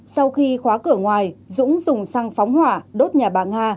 sau khi khóa cửa ngoài dũng dùng xăng phóng hỏa đốt nhà bà nga